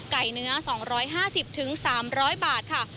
เนื้อ๒๕๐๓๐๐บาทค่ะ